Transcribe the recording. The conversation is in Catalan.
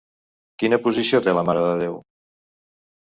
Quina posició té la Mare de Déu?